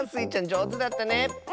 じょうずだったね！